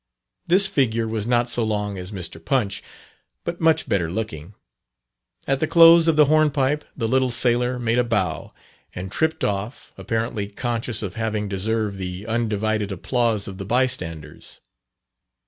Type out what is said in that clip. This figure was not so long as Mr. Punch, but much better looking. At the close of the hornpipe the little sailor made a bow, and tripped off, apparently conscious of having deserved the undivided applause of the bystanders.